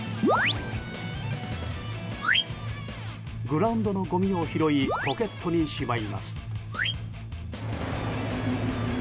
グラウンドのごみを拾いポケットにしまいます。